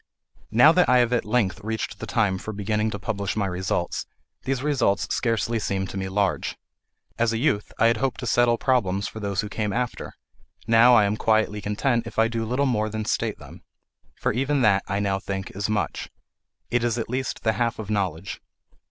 Now that I have at length reached the time for beginning to publish my results, these results scarcely seem to me large. As a youth, I had hoped to settle problems for those who came after; now I am quietly content if I do little more than state them. For even that, I now think, is much; it is at least the half of knowledge.